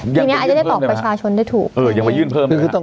ทีเนี้ยอายจะได้บอกประชาชนได้ถูก